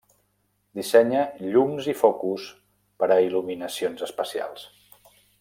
Dissenya llums i focus per a il·luminacions especials.